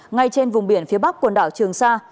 ngay trên vùng biển phía bắc quần đảo trường sa